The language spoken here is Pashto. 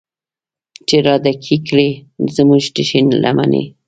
چې راډکې کړي زمونږ تشې لمنې